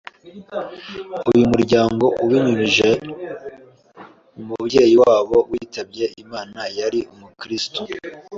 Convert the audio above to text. uyu muryango ibinyujije mu mubyeyi wabo witabye Imana yari umukristo".